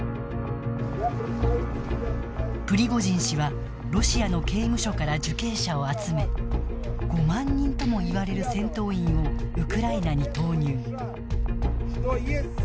プリゴジン氏はロシアの刑務所から受刑者を集め５万人ともいわれる戦闘員をウクライナに投入。